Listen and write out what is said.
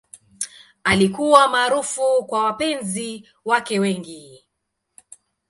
Alikuwa maarufu kwa wapenzi wake wengi.